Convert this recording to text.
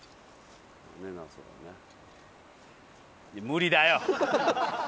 無理だよ！